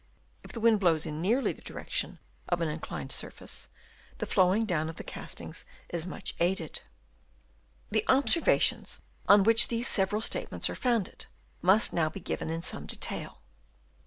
If the wind hlows in nearly the direction of an inclined surface, the flowing down of the castings is much aided. The observations on which these several statements are founded must now be given in some detail.